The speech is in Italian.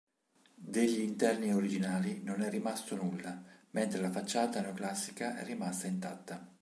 Degli interni originali non è rimasto nulla, mentre la facciata neoclassica è rimasta intatta.